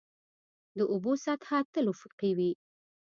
د اوبو سطحه تل افقي وي.